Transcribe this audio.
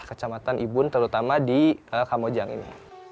kecamatan ibun terutama di kamojang ini